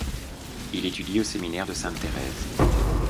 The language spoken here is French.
Il étudie au Séminaire de Sainte-Thérèse.